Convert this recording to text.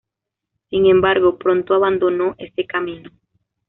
Sin embargo, pronto abandonó ese camino.